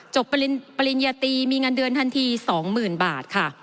ปริญญาตีมีเงินเดือนทันที๒๐๐๐บาทค่ะ